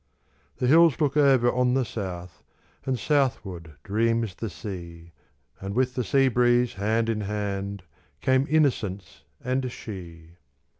The hills look over on the South, And southward dreams the sea; And with the sea breeze hand in hand Came innocence and she.